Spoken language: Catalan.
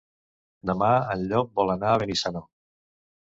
Demà en Llop vol anar a Benissanó.